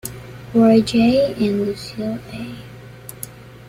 Roy J. and Lucille A.